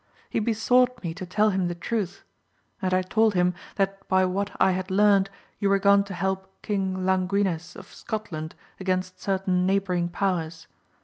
He besought me to tell him the truth, and I told, him, that by what I had learnt, you were gone to help King Languines of Scot land against certain neighbouring powers.